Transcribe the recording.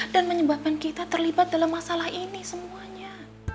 dan menyebabkan kita terlibat dalam masalah ini semuanya